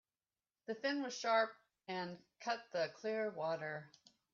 The fin was sharp and cut the clear water.